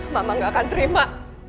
mama gak akan terima